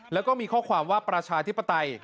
แล้วก็มีข้อความว่าประชาธิปไตย